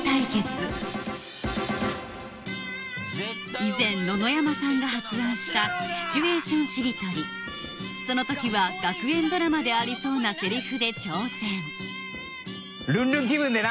以前野々山さんが発案したシチュエーションしりとりそのときは学園ドラマでありそうなセリフで挑戦ルンルン気分でな！